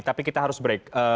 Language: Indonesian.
tapi kita harus break